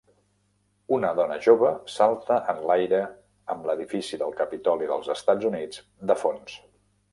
Una dona jove salta en l'aire amb l'edifici del Capitoli dels Estats Units de fons.